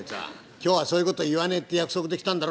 今日はそういうこと言わねえって約束で来たんだろ。